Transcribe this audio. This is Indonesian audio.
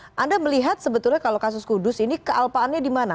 nah anda melihat sebetulnya kalau kasus kudus ini kealpaannya di mana